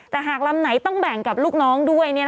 แต่หากลำไหนต้องแบ่งกับลูกน้องด้วย